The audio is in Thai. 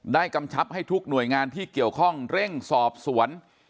กำชับให้ทุกหน่วยงานที่เกี่ยวข้องเร่งสอบสวน